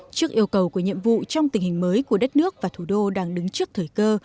trước yêu cầu của nhiệm vụ trong tình hình mới của đất nước và thủ đô đang đứng trước thời cơ